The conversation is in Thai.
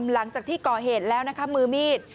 หลังจากที่ก่อเหตุแล้วนะคะมือมีด